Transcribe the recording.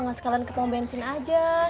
gak sekalan ke pump bensin aja